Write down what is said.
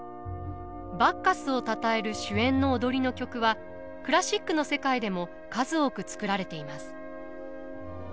バッカスをたたえる酒宴の踊りの曲はクラシックの世界でも数多く作られています。